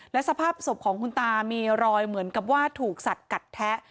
และสภาพศพของคุณตามีรอยเหมือนกับว่าถูกสัดกัดแทะ